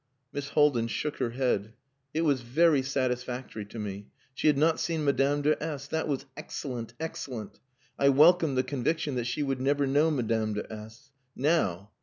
Miss Haldin shook her head. It was very satisfactory to me. She had not seen Madame de S ! That was excellent, excellent! I welcomed the conviction that she would never know Madame de S now.